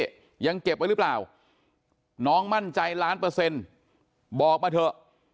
ยังเก็บไว้หรือเปล่าน้องมั่นใจล้านเปอร์เซ็นต์บอกมาเถอะ